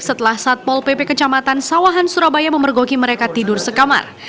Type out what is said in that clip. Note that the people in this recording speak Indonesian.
setelah satpol pp kecamatan sawahan surabaya memergoki mereka tidur sekamar